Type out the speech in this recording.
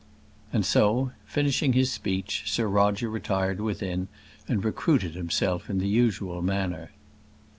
And so finishing his speech, Sir Roger retired within, and recruited himself in the usual manner.